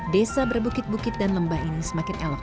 desa berbukit bukit dan lembah ini semakin elok